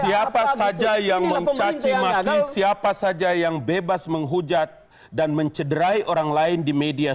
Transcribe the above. siapa saja yang mencacimaki siapa saja yang bebas menghujat dan mencederai orang lain di media sosial